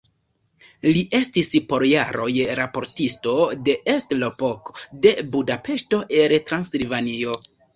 Li estis por jaroj raportisto de "Est Lapok" de Budapeŝto el Transilvanio.